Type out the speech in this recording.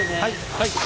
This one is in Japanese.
はい。